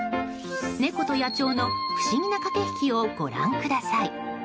猫と野鳥の不思議な駆け引きをご覧ください。